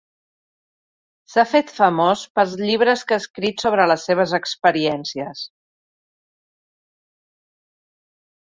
S'ha fet famós pels llibres que ha escrit sobre les seves experiències.